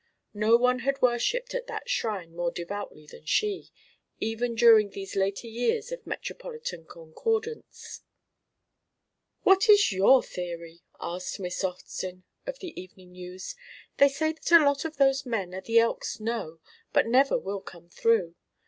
No one had worshipped at that shrine more devoutly than she, even during these later years of metropolitan concordance. "What is your theory?" asked Miss Austin of The Evening News. "They say that a lot of those men at the Elks know, but never will come through.